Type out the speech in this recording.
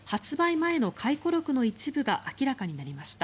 前の回顧録の一部が明らかになりました。